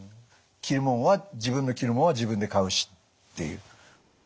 着るもんは自分の着るもんは自分で買うしっていう。